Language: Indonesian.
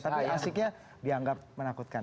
tapi asiknya dianggap menakutkan